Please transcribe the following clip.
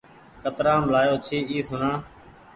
ڪترآم لآيو ڇي اي سوڻآ ۔